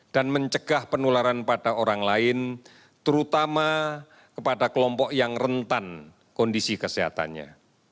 dan mencegah penularan pada orang lain terutama kepada kelompok yang rentan kondisi kesehatannya